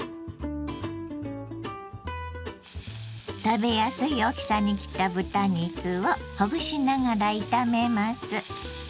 食べやすい大きさに切った豚肉をほぐしながら炒めます。